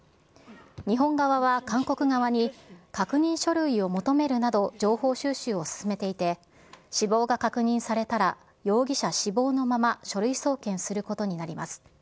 日本側は韓国側に、確認書類を求めるなど、情報収集を進めていて、死亡が確認されたら、容疑者死亡のまま、書類送検することになります。